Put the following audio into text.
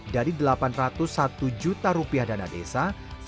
dari delapan ratus satu juta rupiah dana desa